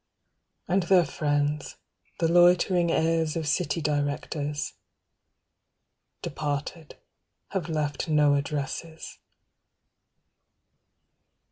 And their friends, the loitering heirs of city directors; 180 Departed, have left no addresses.